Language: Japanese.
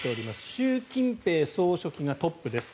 習近平総書記がトップです。